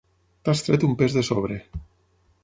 T'has tret un pes de sobre.